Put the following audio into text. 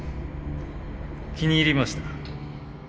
気に入りました。